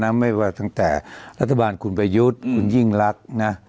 ไม่ว่าตั้งแต่รัฐบาลคุณปยุทธ์คุณหญิงลักษณ์